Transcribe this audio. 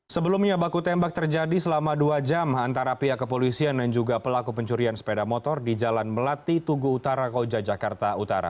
sebelumnya baku tembak terjadi selama dua jam antara pihak kepolisian dan juga pelaku pencurian sepeda motor di jalan melati tugu utara koja jakarta utara